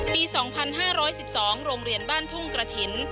ปี๒๕๑๒โรงเรียนบ้านทุ่งกระถิ่น